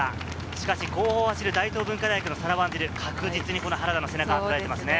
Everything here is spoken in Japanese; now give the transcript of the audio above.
しかし後方を走る大東文化大学のサラ・ワンジル、確実に背中をとらえていますね。